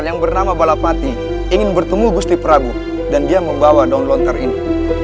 yang bernama balapati ingin bertemu gusti prabu dan dia membawa daun lontar ini